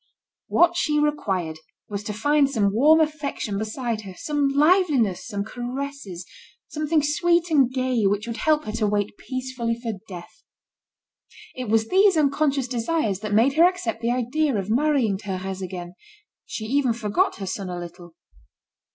What she required was to find some warm affection beside her, some liveliness, some caresses, something sweet and gay which would help her to wait peacefully for death. It was these unconscious desires that made her accept the idea of marrying Thérèse again; she even forgot her son a little.